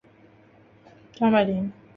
张百麟。